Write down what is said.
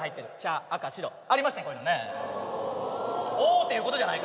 「お」っていうことじゃない。